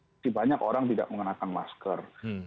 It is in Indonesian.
masih banyak orang tidak mengenakan masker